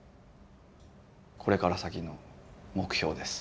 これから先の目標です。